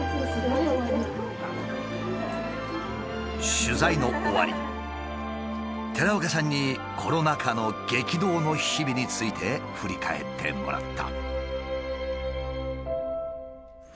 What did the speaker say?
取材の終わり寺岡さんにコロナ禍の激動の日々について振り返ってもらった。